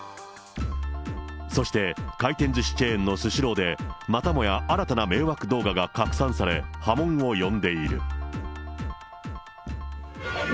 そして、回転ずしチェーンのスシローで、またもや新たな迷惑動画が拡散され、波紋を呼んでいる。